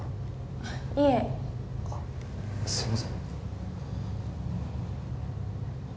あっいえあっすいません